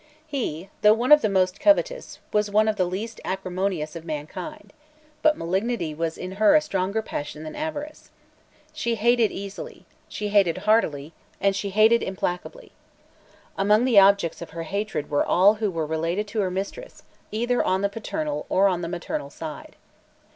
He, though one of the most covetous, was one of the least acrimonious of mankind; but malignity was in her a stronger passion than avarice. She hated easily; she hated heartily; and she hated implacably. Among the objects of her hatred were all who were related to her mistress either on the paternal or on the maternal side.